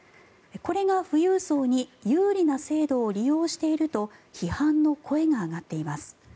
これが富裕層に有利な制度を利用していると批判の声が上がっています。